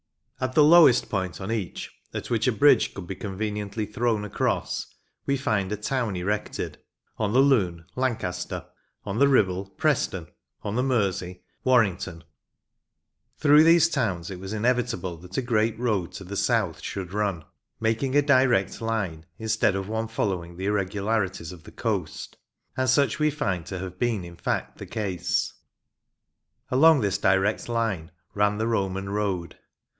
At the lowest point on each at which a bridge could be conveniently thrown across we find a town erected : on the Lune, Lancaster ; on the Ribble, Preston ; on the Mersey, Warrington. 54 OLD TIME TRAVEL IN LANCASHIRE 55 Through these towns it was inevitable that a great road to the south should run, making a direct line instead of one following the irregularities of the coast, and such we find to have been in fact the case. Along this direct line ran the Roman road.